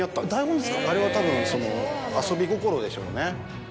あれはたぶん遊び心でしょうね。